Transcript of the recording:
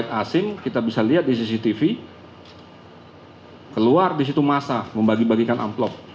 masyarakat asing kita bisa lihat di cctv keluar di situ masa membagi bagikan amplop